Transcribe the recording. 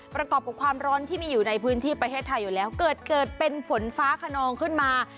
ประกอบกับความร้อนที่มีอยู่ในพื้นที่ประเทศไทยอยู่แล้วเกิดเกิดเป็นฝนฟ้าขนองขึ้นมา